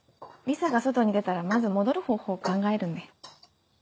リサが外に出たらまず戻る方法を考えるんで。